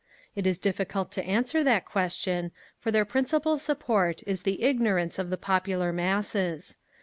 "It is difficult to answer that question, for their principal support is the… ignorance of the popular masses.